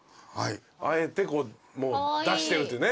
あえてこうもう出してるというね。